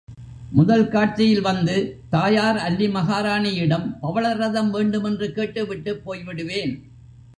முதல் காட்சியில் வந்து, தாயார் அல்லி மகாராணியிடம் பவள ரதம் வேண்டுமென்று கேட்டுவிட்டுப் போய்விடுவேன்.